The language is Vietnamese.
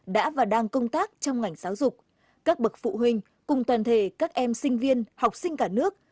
đã và đang công tác trong ngành giáo dục các bậc phụ huynh cùng toàn thể các em sinh viên học sinh cả nước